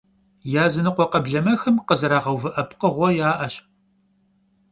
Yazınıkhue kheblemexem khızerağeuvı'e pkhığue ya'eş.